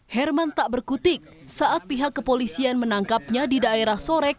herman tak berkutik saat pihak kepolisian menangkapnya di daerah sore